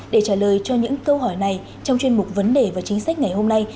để trả lời cho những câu hỏi này trong chuyên mục vấn đề và chính sách ngày hôm nay